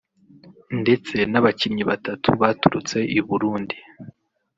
ndetse n’abakinnyi batatu baturutse i Burundi